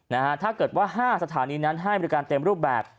ถ้าเกิดว่าห้าสถานีนั้นให้บริการเต็มรูปแบบ